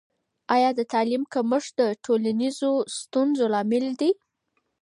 آیا د تعلیم کمښت د ټولنیزو ستونزو لامل دی؟